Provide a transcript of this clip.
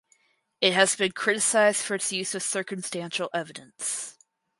It has been criticised for its use of circumstantial evidence.